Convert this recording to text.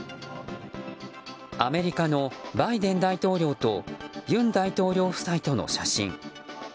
アメリカのバイデン大統領と尹大統領夫妻との写真。